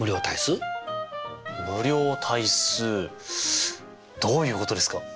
無量大数どういうことですか？